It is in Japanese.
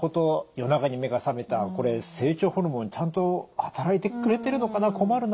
「夜中に目が覚めたこれ成長ホルモンちゃんと働いてくれてるのかな困るな」。